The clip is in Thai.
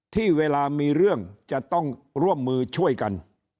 ที่เวลามีเรื่องจะต้องร่วมมือช่วยกัน